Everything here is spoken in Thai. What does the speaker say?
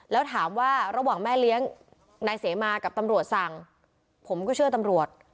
แล้วถามว่าระหว่างแม่เลี้ยงนายเสมากับตำรวจสั่งผมก็เชื่อตำรวจ